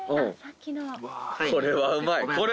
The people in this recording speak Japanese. これはうまいわ。